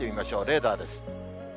レーダーです。